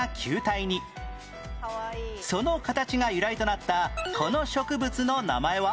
その形が由来となったこの植物の名前は？